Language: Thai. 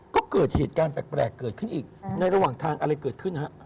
ก็เกิดเหตุการณ์แปลกเกิดขึ้นอีกในระหว่างทางอะไรเกิดขึ้นฮะ